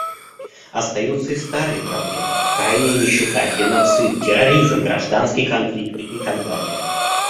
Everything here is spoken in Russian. Остаются и старые проблемы: крайняя нищета, геноцид, терроризм, гражданские конфликты, и так далее.